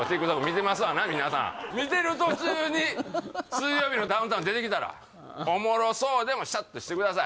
見てますわな皆さん見てる途中に「水曜日のダウンタウン」出てきたらおもろそうでもシャッとしてください